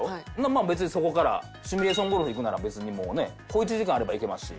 まあ別にそこからシミュレーションゴルフ行くなら別にもうね小一時間あれば行けますし。